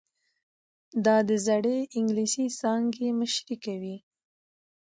دا د زړې انګلیسي څانګې مشري کوي.